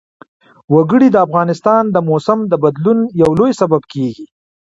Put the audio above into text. وګړي د افغانستان د موسم د بدلون یو لوی سبب کېږي.